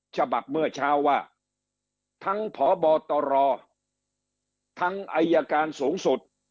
ฉบับเมื่อเช้าว่าทั้งพบตรทั้งอสส